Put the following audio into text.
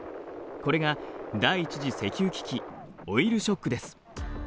これが第１次石油危機オイルショックです。